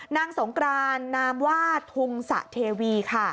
นางสงกรานนามว่าทุงสะเทวีค่ะ